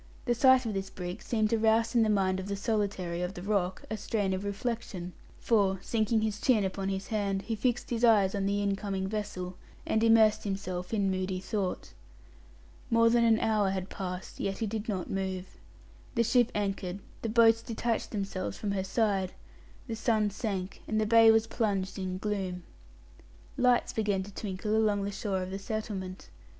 The sight of this brig seemed to rouse in the mind of the solitary of the rock a strain of reflection, for, sinking his chin upon his hand, he fixed his eyes on the incoming vessel, and immersed himself in moody thought. More than an hour had passed, yet he did not move. The ship anchored, the boats detached themselves from her sides, the sun sank, and the bay was plunged in gloom. Lights began to twinkle along the shore of the settlement.